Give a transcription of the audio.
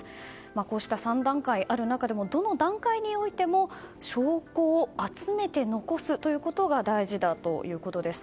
こうした３段階ある中でどの段階においても証拠を集めて残すことが大事だということです。